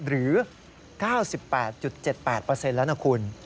หรือ๙๘๗๘แล้วนะคุณ